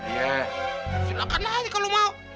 iya silahkan aja kalo mau